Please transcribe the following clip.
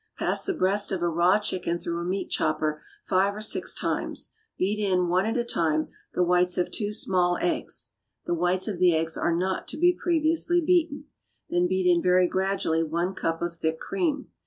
= Pass the breast of a raw chicken through a meat chopper five or six times; beat in, one at a time, the whites of two small eggs (the whites of the eggs are not to be previously beaten), then beat in very gradually one cup of thick cream.